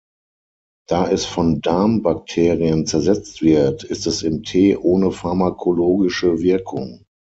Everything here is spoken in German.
Da es von Darmbakterien zersetzt wird, ist es im Tee ohne pharmakologische Wirkung.